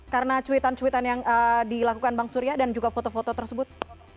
karena cuitan cuitan yang dilakukan bang surya dan juga foto foto tersebut